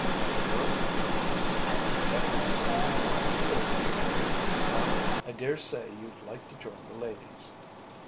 "Sure." "That was all I wanted to say to you. Now I daresay you'd like to join the ladies."